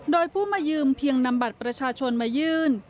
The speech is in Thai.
โดยผู้มายืมเพียงนำบัตรประชาชนมายื่น